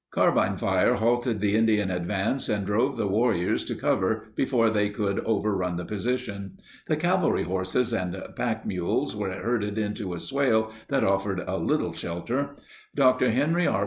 Carbine fire halted the Indian advance and drove the warriors to cover before they could overrun the position. The cavalry horses and pack mules were herded into a swale that offered a little shelter. Dr. Henry R.